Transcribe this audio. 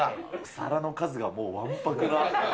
皿の数がもう、わんぱくな。